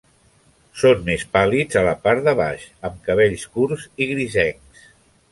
Són més pàl·lids a la part de baix, amb cabells curts i grisencs.